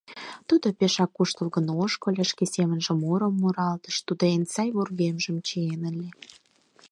Тудо пешак куштылгын ошкыльо, шке семынже мурым муралтыш, тудо эн сай вургемжым чиен ыле.